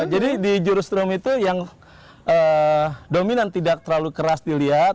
jadi di jurus strung itu yang dominan tidak terlalu keras dilihat